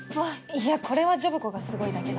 いやこれはジョブ子がすごいだけだ。